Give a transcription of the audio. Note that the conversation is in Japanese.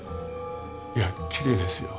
いやきれいですよ。